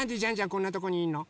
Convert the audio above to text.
こんなとこにいんの？